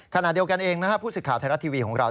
ขณะเดียวกันเองผู้ศึกข่าวไทยรัตน์ทีวีของเรา